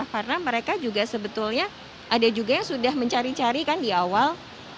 karena mereka juga sebetulnya ada juga yang sudah mencari cari kan di awal